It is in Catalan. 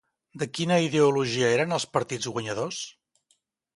De quina ideologia eren els partits guanyadors?